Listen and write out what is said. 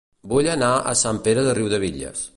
Vull anar a Sant Pere de Riudebitlles